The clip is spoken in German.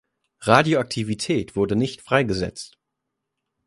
Radioaktivität wurde nicht freigesetzt.